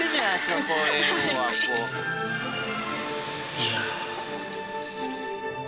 いや。